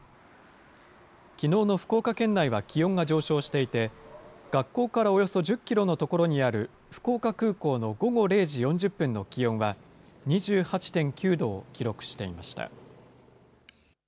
きのうの福岡県内は気温が上昇していて、学校からおよそ１０キロの所にある福岡空港の午後０時４０分の気温は、２８．９度を記録していました。